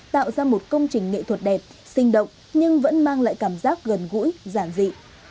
tạo ra một công trình nghệ thuật đẹp sinh động nhưng vẫn mang lại cảm giác gần gũi giản dị